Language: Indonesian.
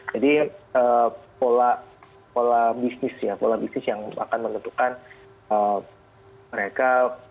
jadi pola bisnis ya pola bisnis yang akan menentukan mereka